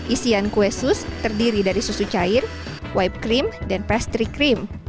isian kue sus terdiri dari susu cair whitepe cream dan pastry cream